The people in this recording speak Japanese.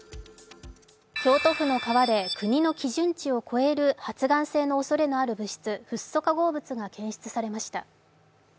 京都府の川で国の基準値を超える発がん性のおそれのある物質、フッ素化合物が検出されました。